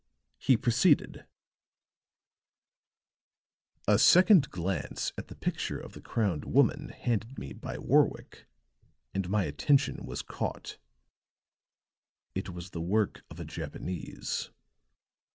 He proceeded: "A second glance at the picture of the crowned woman handed me by Warwick, and my attention was caught. It was the work of a Japanese."